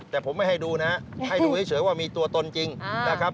แต่ผมไม่ให้ดูนะให้ดูเฉยว่ามีตัวตนจริงนะครับ